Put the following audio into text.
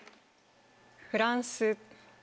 フランス。